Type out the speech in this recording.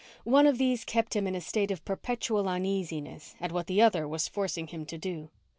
One of these kept him in a state of perpetual uneasiness at what the other was forcing him to do.